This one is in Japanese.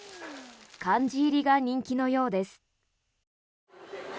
漢字入りが人気のようです。